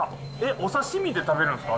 お刺身で食べるんですか？